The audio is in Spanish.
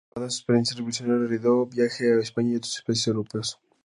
Acabada su experiencia revolucionaria, Revoredo viajó a España y a otros países europeos.